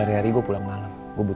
pergi kemana bu